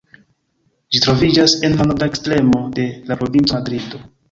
Ĝi troviĝas en la norda ekstremo de la provinco Madrido.